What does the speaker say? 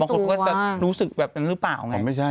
คนก็จะรู้สึกแบบนั้นหรือเปล่าไง